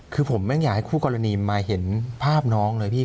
คือผมไม่อยากให้คู่กรณีมาเห็นภาพน้องเลยพี่